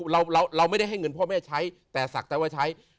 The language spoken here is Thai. เราไม่ได้ให้เงินพ่อแม่ใช้แต่ศักดิ์แต่ว่าใช้